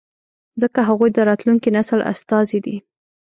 ځکه هغوی د راتلونکي نسل استازي دي.